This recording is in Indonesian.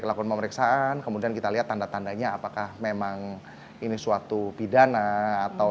lakukan pemeriksaan kemudian kita lihat tanda tandanya apakah memang ini suatu pidana atau